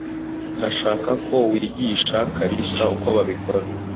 Ndashaka ko wigisha Kalisa uko wabikora.